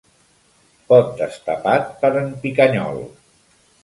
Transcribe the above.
Pot destapat per en Picanyol.